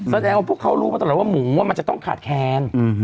แสดงว่าพวกเขารู้มาตลอดว่าหมูมันจะต้องขาดแคลน